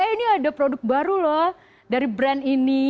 eh ini ada produk baru loh dari brand ini